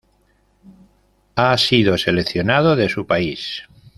Ha sido seleccionado de su país.